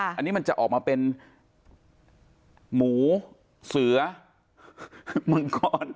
อันนี้มันจะออกมาเป็นหมูเสือมังกร